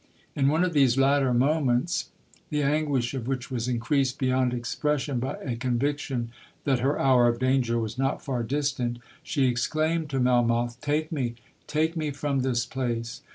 In one of these latter moments, the anguish of which was increased beyond expression by a conviction that her hour of danger was not far distant, she exclaimed to Melmoth—'Take me—take me from this place!